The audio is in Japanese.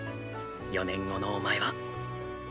４年後のお前は。